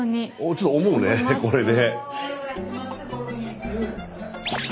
ちょっと思うねこれね。